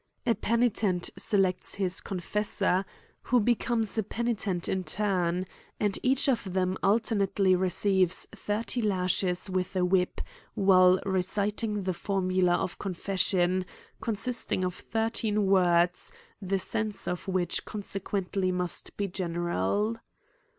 A penitent selects bis confessor, who be 2i6 A COMMENTARY ON comes a penitent in turn ; and each of them alter nately receives thirty laslies with a whip while re citing the formula of confession, consisting of thirteen words, the sense of which consequently must be general.